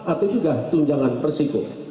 atau juga tunjangan persiko